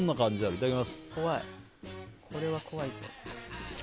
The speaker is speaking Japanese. いただきます。